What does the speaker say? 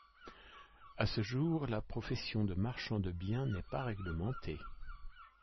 À ce jour, la profession de marchand de biens n’est pas réglementée.